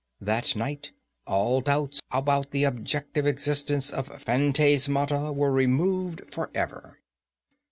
That night all doubts about the objective existence of phantasmata were removed for ever.